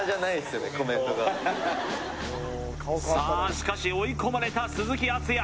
しかし追い込まれた鈴木敦也